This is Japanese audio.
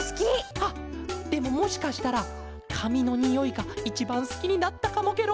あっでももしかしたらかみのにおいがいちばんすきになったかもケロ！